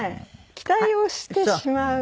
期待をしてしまう。